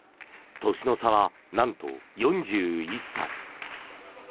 年の差はなんと４１歳。